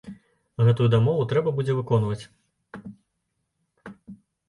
Гэтую дамову трэба будзе выконваць.